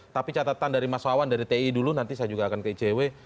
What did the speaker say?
tapi catatan dari mas wawan dari ti dulu nanti saya juga akan ke icw